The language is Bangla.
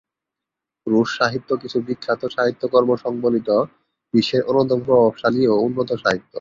রুশ সাহিত্য কিছু বিখ্যাত সাহিত্যকর্ম সংবলিত বিশ্বের অন্যতম প্রভাবশালী ও উন্নত সাহিত্য।